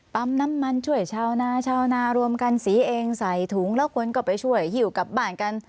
ปั๊มน้ำมันช่วยชาวนาชาวนารวมกันสีเองใส่ถุงแล้วคนก็ไปช่วยหิ้วกลับบ้านกัน